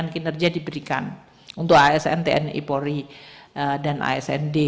kinerja diberikan untuk asn tni polri dan asn